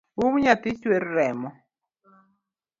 Um nyathi chuer remo